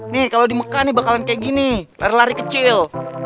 nih kalau di mekah nih bakalan kayak gini lari lari kecil